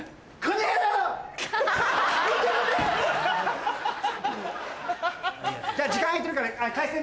じゃあ時間空いてるから。